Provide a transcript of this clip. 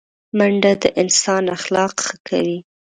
منډه د انسان اخلاق ښه کوي